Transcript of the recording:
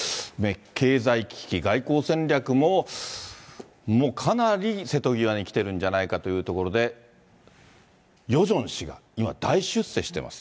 経済危機、外交戦略ももうかなり瀬戸際に来てるんじゃないかというところで、ヨジョン氏が今、大出世しています。